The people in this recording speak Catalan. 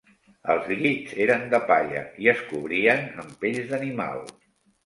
Els llits eren de palla i es cobrien amb pells d'animal.